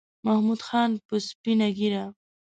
محمود خان په سپینه ګیره